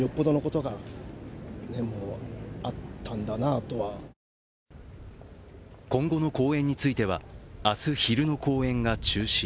あと歌舞伎ファンは今後の公演については、明日昼の公演が中止。